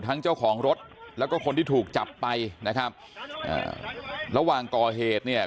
เจ้าของรถแล้วก็คนที่ถูกจับไปนะครับอ่าระหว่างก่อเหตุเนี่ย